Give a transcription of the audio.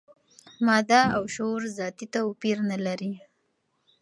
ماده او شعور ذاتي توپیر نه لري.